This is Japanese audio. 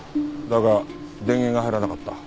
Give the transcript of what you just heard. だが電源が入らなかった。